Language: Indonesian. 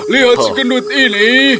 lihat segendut ini